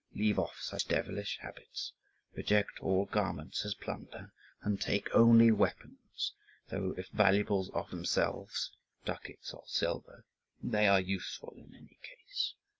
Leave off such devilish habits; reject all garments as plunder, and take only weapons: though if valuables offer themselves, ducats or silver, they are useful in any case.